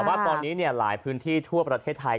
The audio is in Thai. แต่ว่าตอนนี้หลายพื้นที่ทั่วประเทศไทย